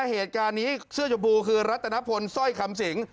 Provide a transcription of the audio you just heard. เหตุการณ์นี้เสื้อชมพูคือรัตนพลสร้อยคำสิง